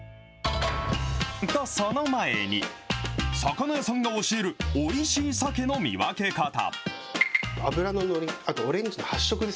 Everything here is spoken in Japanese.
と、その前に、魚屋さんが教えるおいしいさけの見分け方。